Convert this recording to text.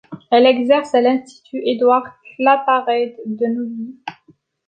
Elle exerce à l’Institut Édouard Claparède de Neuilly.